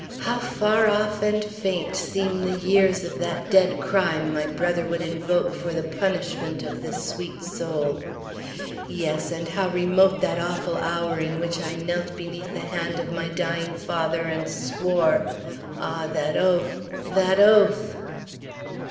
How far off and faint seem the years of that dead crime my brother would invoke for the punishment of this sweet soul! Yes, and how remote that awful hour in which I knelt beneath the hand of my dying father and swore Ah, that oath! That oath!